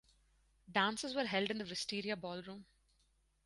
Dances were held in the Wisteria Ballroom.